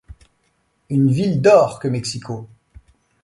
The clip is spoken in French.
Une ville d’or que Mexico !